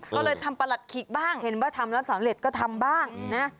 ก็เลยทำประหลัดขิกบ้างเห็นว่าทำแล้วสำเร็จก็ทำบ้างนะ